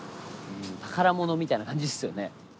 宝物みたいな感じですよね。